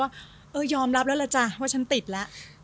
เออยอมรับแล้วล่ะจ๊ะว่าฉันติดแล้ว